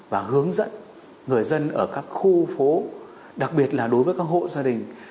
và hướng dẫn người dân ở các khu phố đặc biệt là đối với các hộ gia đình